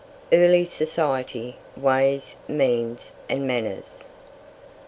EARLY SOCIETY: WAYS, MEANS, AND MANNERS.